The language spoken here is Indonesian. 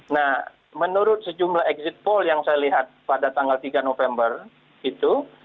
nah menurut sejumlah exit poll yang saya lihat pada tanggal tiga november itu